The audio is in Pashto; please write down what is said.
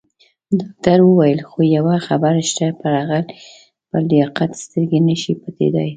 ډاکټر وویل: خو یوه خبره شته، پر هغه پر لیاقت سترګې نه شي پټېدای.